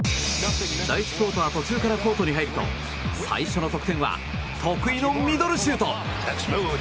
第１クオーター途中からコートに入ると最初の得点は得意のミドルシュート。